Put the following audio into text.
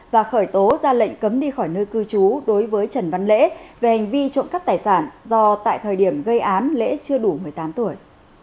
và khởi tố ra lệnh cấm đi khỏi nơi cư trú đối với trần văn lễ về hành vi trộm cắp tài sản do tại thời điểm gây án lễ chưa đủ một mươi tám tuổi